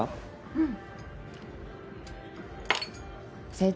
うん。